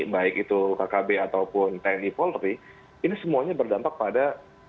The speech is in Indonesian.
baik itu kkb ataupun tni polri ini semuanya berdampak pada